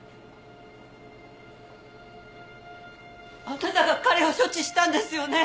あなたが彼を処置したんですよね？